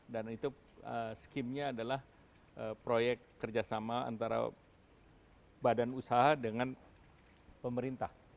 dan itu skimnya adalah proyek kerjasama antara badan usaha dengan pemerintah